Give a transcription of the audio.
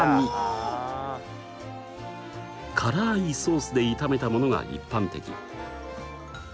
辛いソースで炒めたものが一般的。